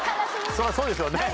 そりゃそうでしょうね。